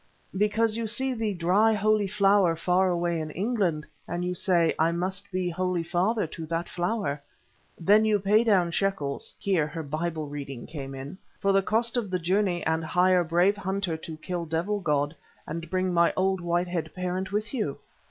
"Because you see the dry Holy Flower far away in England, and you say, 'I must be Holy Father to that Flower.' Then you pay down shekels (here her Bible reading came in) for the cost of journey and hire brave hunter to kill devil god and bring my old white head parent with you.